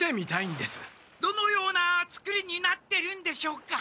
どのようなつくりになってるんでしょうか？